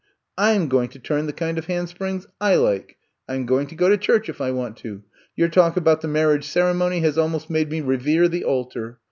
I 'm going to turn the kind of handsprings I like. I 'm go ing to go to church if I want to. Your talk about the marriage ceremony has almost made me revere the altar.